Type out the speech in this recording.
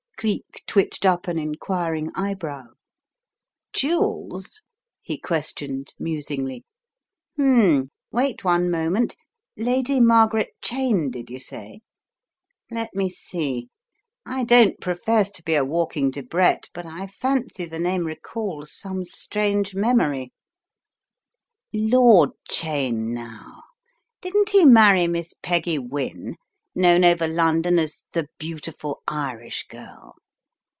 Cleek twitched up an enquiring eyebrow, " Jewels? " he questioned, musingly. " Hm !: Wait one moment. Lady Margaret Cheyne did you say? Let me see. I don't profess to be a walking Debrett, but I fancy the name recalls some strange memory. Lord Cheyne now — didn't he marry Miss Peggy Wynne, known over London as 'the beautiful Irish girl'?